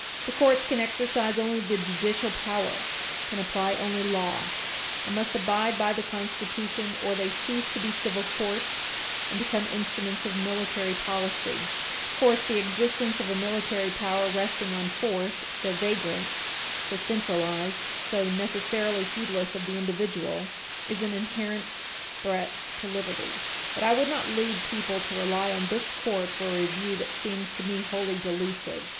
The courts can exercise only the judicial power, can apply only law, and must abide by the Constitution, or they cease to be civil courts and become instruments of military policy. Page 323 U. S. 248 Of course, the existence of a military power resting on force, so vagrant, so centralized, so necessarily heedless of the individual, is an inherent threat to liberty. But I would not lead people to rely on this Court for a review that seems to me wholly delusive.